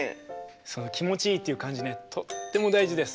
その気持ちいいという感じねとっても大事です。